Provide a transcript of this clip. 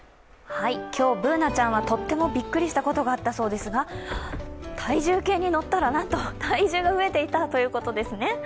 今日、Ｂｏｏｎａちゃんはとってもびっくりしたことがあったそうですが、体重計に乗ったら、なんと体重が増えていた！ということですね。